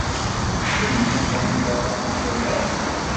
تو مني ڪوم ڪروا ڪون ڪئي دي